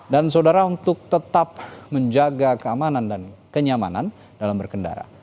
dan saudara untuk tetap menjaga keamanan dan kenyamanan dalam berkendara